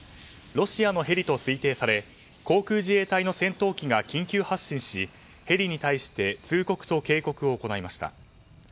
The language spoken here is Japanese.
ロシアのヘリと推定され航空自衛隊の戦闘機が緊急発進しヘリに対して通告と警告を行いました。